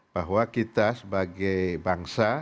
bahwa kita sebagai bangsa